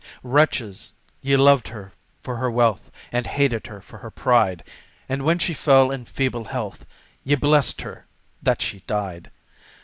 "Wretches! ye loved her for her wealth and hated her for her pride, "And when she fell in feeble health, ye blessed her that she died!